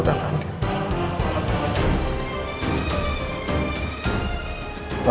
aku akan menganggap rena